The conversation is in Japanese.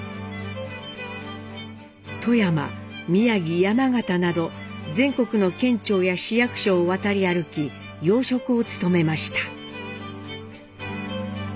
富山宮城山形など全国の県庁や市役所を渡り歩き要職を務めました。